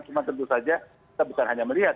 cuma tentu saja kita bukan hanya melihat